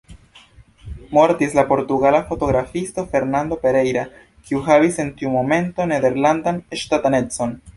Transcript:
Mortis la portugala fotografisto Fernando Pereira, kiu havis en tiu momento nederlandan ŝtatanecon.